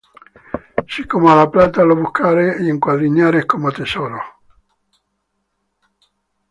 Si como á la plata la buscares, Y la escudriñares como á tesoros;